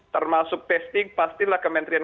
termasuk testing pastilah kementerian